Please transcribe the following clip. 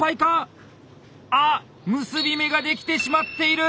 あ結び目ができてしまっている！